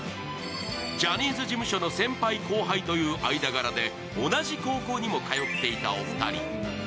ジャニーズ事務所の先輩、後輩という間柄で同じ高校にも通っていたお二人。